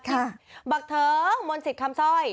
ค่ะบักเถิงมนศิษย์คำซ่อย